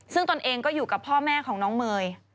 ซึ่งตนเองก็อยู่กับพ่อแม่ของน้องเมย์